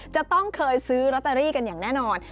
จะต้องเคยซื้อลอตเตอรี่กันอย่างแน่นอน